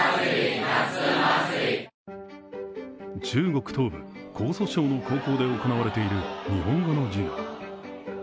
中国東部、江蘇省の高校で行われている日本語の授業。